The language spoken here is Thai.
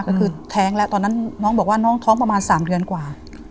ก็คือแท้งแล้วตอนนั้นน้องบอกว่าน้องท้องประมาณ๓เดือนกว่า